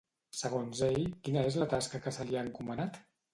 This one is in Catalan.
Segons ell, quina és la tasca que se li ha encomanat?